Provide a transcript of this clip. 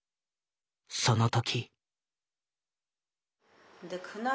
その時。